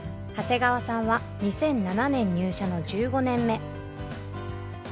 長谷川さんは２００７年入社の１５年目。